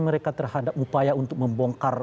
mereka terhadap upaya untuk membongkar